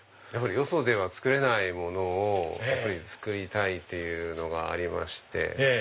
よそでは作れないものを作りたいっていうのがありまして。